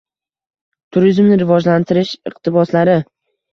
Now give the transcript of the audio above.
Turizmni rivojlantirish istiqbollari